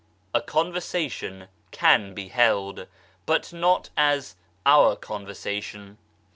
A conversation can be held, but not as our conversation.